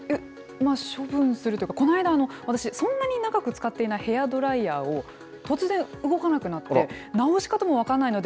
まあ、処分するというか、この間、私、そんなに長く使っていないヘアドライヤーを、突然動かなくなって、直し方も分からないので、